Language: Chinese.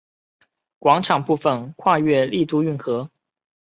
广场部分跨越丽都运河。